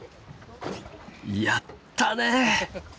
やったね！